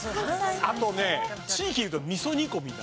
あとね地域で言うと味噌煮込み。